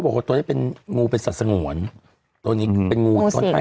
เพราะว่างูมาชนิดเราไม่เคยเห็นเราไม่เคยสัมผัส